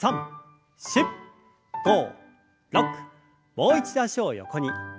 もう一度脚を横に。